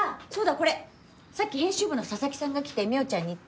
これさっき編集部の佐々木さんが来て望緒ちゃんにって。